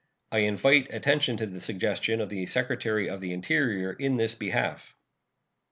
I invite attention to the suggestion of the Secretary of the Interior in this behalf.